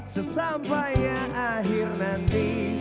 sesampainya akhir nanti